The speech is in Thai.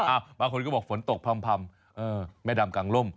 อ้าวบางคนก็บอกฝนตกพร่ำแม่ดำกลางล่ม